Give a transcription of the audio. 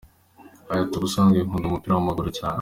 Yagize ati “Ubusanzwe nkunda umupira w’amaguru cyane.